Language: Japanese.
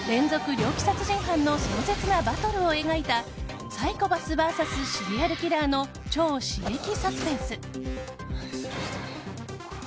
猟奇殺人犯の壮絶なバトルを描いたサイコパスＶＳシリアルキラーの超刺激サスペンス。